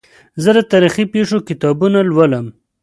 زه د تاریخي پېښو کتابونه لولم.